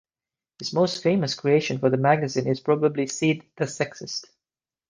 His most famous creation for the magazine is probably Sid the Sexist.